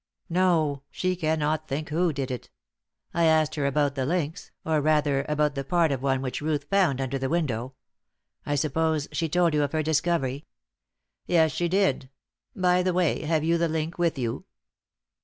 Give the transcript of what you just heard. "No, she cannot think who did it. I asked her about the links, or rather about the part of one which Ruth found under the window. I suppose, she told you of her discovery?" "Yes, she did. By the way, have you the link with you?"